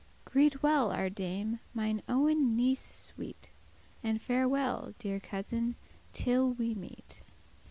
Greet well our Dame, mine owen niece sweet, And farewell, deare cousin, till we meet.